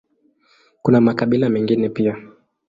Kuna makabila mengine pia.